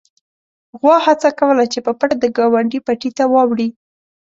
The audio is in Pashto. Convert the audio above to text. غوا هڅه کوله چې په پټه د ګاونډي پټي ته واوړي.